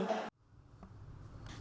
thành phố vn